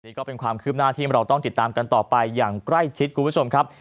นี่ก็เป็นความคืบหน้าที่เราต้องติดตามกันต่อไปอย่างใกล้ชิดคุณผู้ชมครับ